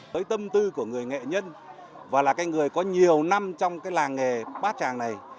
tới tâm tư của người nghệ nhân và là người có nhiều năm trong làng nghề bát tràng này